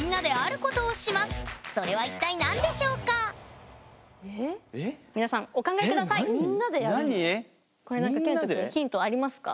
これ何かけんとくんヒントありますか？